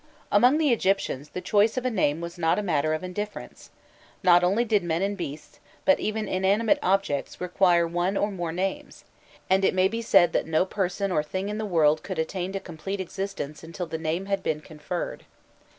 Among the Egyptians the choice of a name was not a matter of indifference; not only did men and beasts, but even inanimate objects, require one or more names, and it may be said that no person or thing in the world could attain to complete existence until the name had been conferred.